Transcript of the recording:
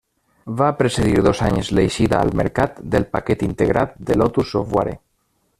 Va precedir dos anys l'eixida al mercat del paquet integrat de Lotus Software.